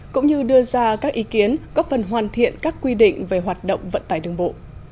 cũng như đưa ra các ý kiến góp phần hoàn thiện các quy định về hoạt động vận tải đường bộ